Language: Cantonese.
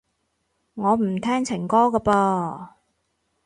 我唔聽情歌㗎噃